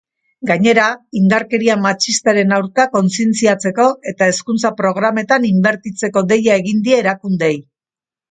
Gainera, indarkeria matxistaren aurka kontzientziatzeko eta hezkuntza-programetan inbertitzeko deia egin die erakundeei.